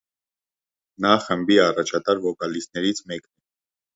Նա խմբի առաջատար վոկալիստներից մեկն է։